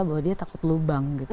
bahwa dia takut lubang gitu